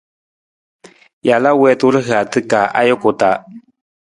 Jalaa wiitu rihaata ka ajuku taa.